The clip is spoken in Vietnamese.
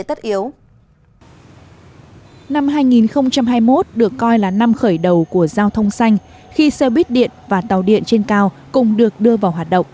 tàu sắt trên cao cũng được đưa vào hoạt động